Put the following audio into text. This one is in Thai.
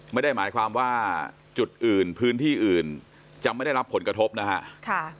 ไม่ได้หมายความว่าจุดอื่นพื้นที่อื่นจะไม่ได้รับผลกระทบนะฮะ